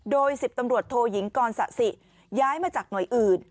โดย๑๐ตำรวจโทยิงกรสะสิย้ายมาจากหน่วยอื่น